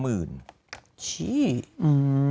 อื้ม